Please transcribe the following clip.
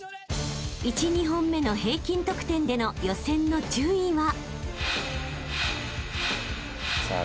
［１２本目の平均得点での予選の順位は？］